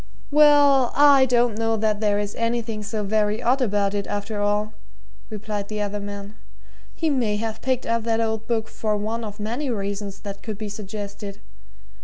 "Well, I don't know that there is anything so very odd about it, after all," replied the other man. "He may have picked up that old book for one of many reasons that could be suggested.